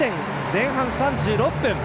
前半３６分。